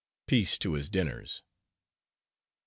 Peace to his dinners. "Mr.